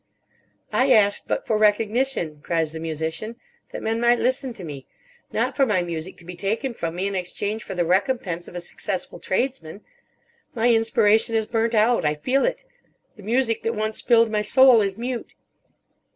"I asked but for recognition," cries the Musician, "that men might listen to me; not for my music to be taken from me in exchange for the recompense of a successful tradesman. My inspiration is burnt out; I feel it. The music that once filled my soul is mute."